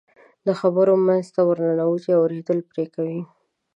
د خبرو منځ ته ورننوځي، اورېدل پرې کوي.